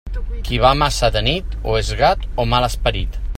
Qui va massa de nit, o és gat o mal esperit.